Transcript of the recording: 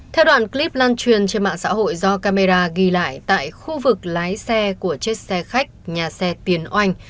theo đoạn clip lan truyền trên mạng xã hội do camera ghi lại tại khu vực lái xe của chiếc xe khách nhà xe tiến oanh